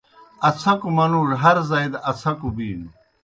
اڅھکوْ منُوڙوْ ہر زائی دہ اڅھکوْ بِینوْ۔